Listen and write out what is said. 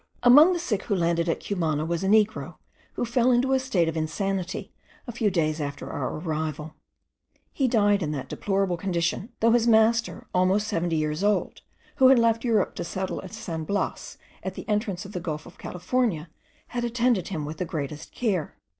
Among the sick who landed at Cumana was a negro, who fell into a state of insanity a few days after our arrival; he died in that deplorable condition, though his master, almost seventy years old, who had left Europe to settle at San Blas, at the entrance of the gulf of California, had attended him with the greatest care.